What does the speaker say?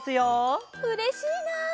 うれしいな！